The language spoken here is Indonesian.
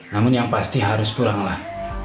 namun yang pasti harus pulanglah